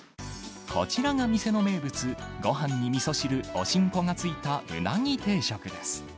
こちらが店の名物、ごはんにみそ汁、おしんこが付いたうなぎ定食です。